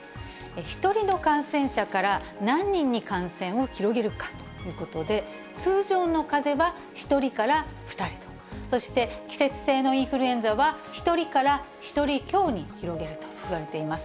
１人の感染者から何人に感染を広げるかということで、通常のかぜは１人から２人と、そして季節性のインフルエンザは１人から１人強に広げるといわれています。